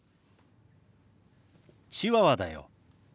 チワワだよ。